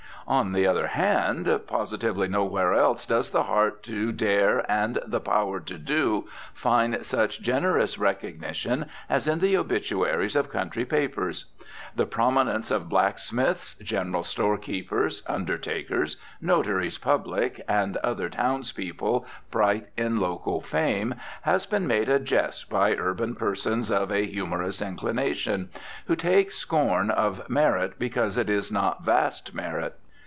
On the other hand, positively nowhere else does the heart to dare and the power to do find such generous recognition as in the obituaries of country papers. The "prominence" of blacksmiths, general store keepers, undertakers, notaries public, and other townspeople bright in local fame has been made a jest by urban persons of a humorous inclination, who take scorn of merit because it is not vast merit.